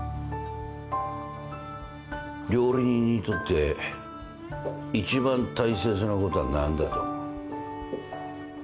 料理人にとって一番大切なことは何だと思う？